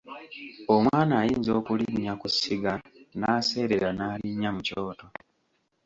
Omwana ayinza okulinnya ku ssiga n’aseerera n’alinnya mu kyoto.